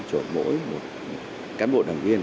của mỗi một cán bộ đảng viên